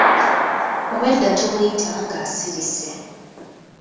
Obwedda tumuyita ng'asirise.